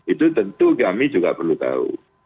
itu tentu kami juga perlu tahu